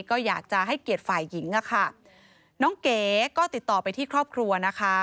ก็อยากจะให้เกียรติฝ่ายหญิงอะค่ะน้องเก๋ก็ติดต่อไปที่ครอบครัวนะคะ